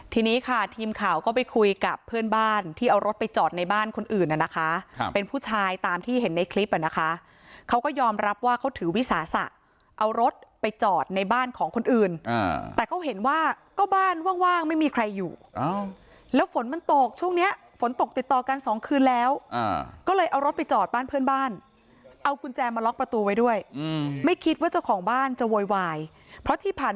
ทีนี้ค่ะทีมข่าวก็ไปคุยกับเพื่อนบ้านที่เอารถไปจอดในบ้านคนอื่นน่ะนะคะเป็นผู้ชายตามที่เห็นในคลิปอ่ะนะคะเขาก็ยอมรับว่าเขาถือวิสาสะเอารถไปจอดในบ้านของคนอื่นแต่เขาเห็นว่าก็บ้านว่างไม่มีใครอยู่แล้วฝนมันตกช่วงเนี้ยฝนตกติดต่อกันสองคืนแล้วก็เลยเอารถไปจอดบ้านเพื่อนบ้านเอากุญแจมาล็อกประตูไว้ด้วยไม่คิดว่าเจ้าของบ้านจะโวยวายเพราะที่ผ่าน